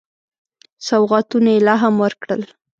سوغاتونه یې لا هم ورکړل.